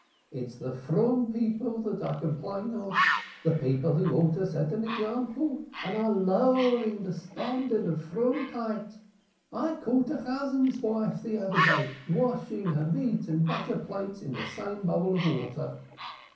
It's the froom people that I complain of; the people who ought to set an example, and are lowering the standard of Froomkeit. I caught a beadle's wife the other day washing her meat and butter plates in the same bowl of water.